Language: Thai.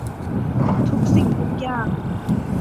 ทุกสิ่งทุกอย่าง